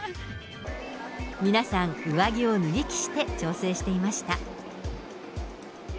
皆さん上着を脱ぎ着して調整していました。